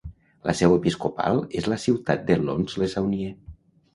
La seu episcopal és la ciutat de Lons-le-Saunier.